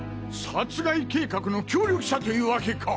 殺害計画の協力者というワケか！